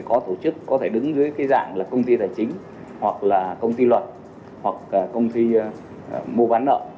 có tổ chức có thể đứng dưới cái dạng là công ty tài chính hoặc là công ty luật hoặc công ty mua bán nợ